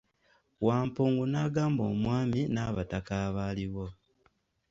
Wampungu n'agamba omwami n'abataka abaaliwo .